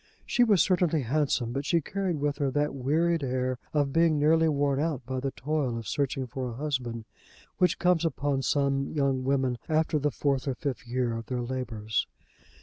She was certainly handsome, but she carried with her that wearied air of being nearly worn out by the toil of searching for a husband which comes upon some young women after the fourth or fifth year of their labours.